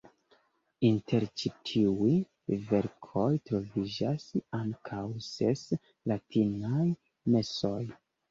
Inter ĉi tiuj verkoj troviĝas ankaŭ ses latinaj mesoj.